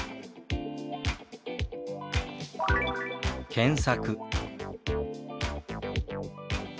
「検索」。